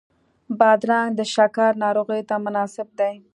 بادرنګ د شکر ناروغانو ته مناسب دی.